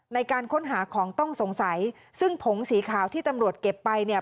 ในการค้นหาของต้องสงสัยซึ่งผงสีขาวที่ตำรวจเก็บไปเนี่ย